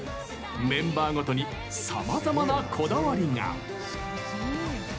メンバーごとにさまざまなこだわりが！